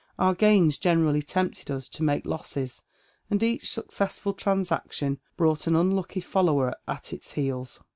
Our gains generally tempted us to make losses, and each successful transaction brought an unlucky follower at its heels.